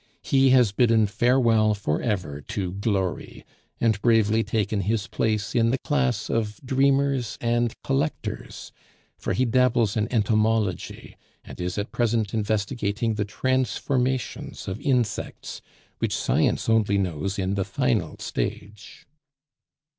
He has bidden farewell for ever to glory, and bravely taken his place in the class of dreamers and collectors; for he dabbles in entomology, and is at present investigating the transformations of insects which science only knows in the final stage.